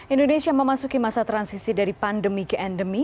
indonesia memasuki masa transisi dari pandemi ke endemi